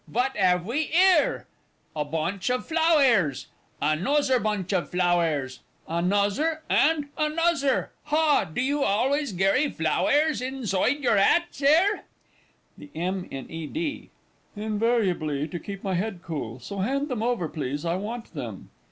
Vat 'ave we 'ere? A bonch of flowairs! Anozzer bonch of flowairs? Anozzer and anozzer! Ha, do you alvays garry flowairs insoide your 'at, Sare? THE M. IN E. D. Invariably to keep my head cool; so hand them over, please; I want them.